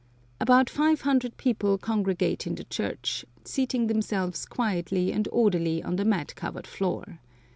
About five hundred people congregate in the church, seating themselves quietly and orderly on the mat covered floor.